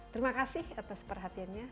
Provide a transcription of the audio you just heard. terima kasih atas perhatiannya